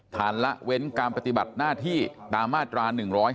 ละเว้นการปฏิบัติหน้าที่ตามมาตรา๑๕